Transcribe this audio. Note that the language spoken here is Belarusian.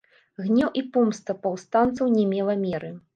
Гнеў і помста паўстанцаў не мела меры.